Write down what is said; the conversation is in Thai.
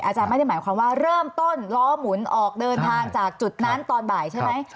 อาจารย์ไม่ได้หมายความว่าเริ่มต้นล้อหมุนออกเดินทางจากจุดนั้นตอนบ่ายใช่ไหม